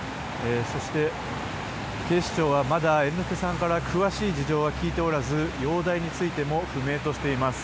そして、警視庁はまだ猿之助さんから詳しい事情は聴いておらず容体についても不明としています。